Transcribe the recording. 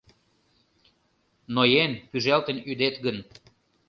Ноен, пӱжалтын ӱдет гын